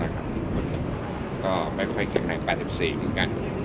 คนไม่ค่อยแข็งแทง๘๔ปีกัน